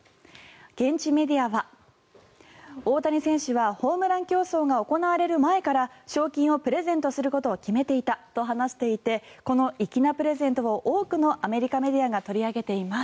現地メディアは大谷選手はホームラン競争が行われる前から賞金をプレゼントすることを決めていたと話していてこの粋なプレゼントを多くのアメリカメディアが取り上げています。